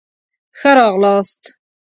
ښه راغلاست